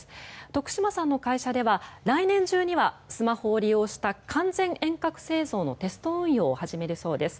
徳島さんの会社では来年中にはスマホを利用した完全遠隔製造のテスト運用を始めるそうです。